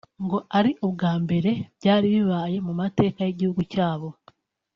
ngo ari ubwa mbere byari bibaye mu mateka y’igihugu cya bo